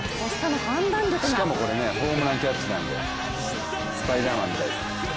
しかもこれホームランキャッチなんでスパイダーマンみたいです。